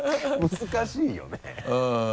難しいよね。